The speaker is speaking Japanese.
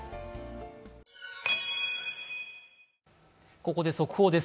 ここで速報です。